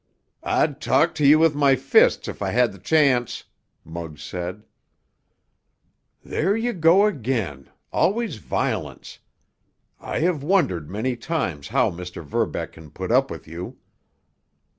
"I'd talk to you with my fists if I had th' chance!" Muggs said. "There you go again—always violence! I have wondered many times how Mr. Verbeck can put up with you.